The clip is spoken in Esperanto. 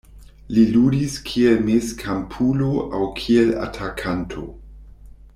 Li ludis kiel mezkampulo aŭ kiel atakanto.